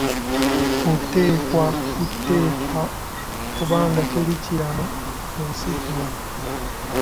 Oteekwa buteekwa kubanga teri kiramu ku nsi kuno.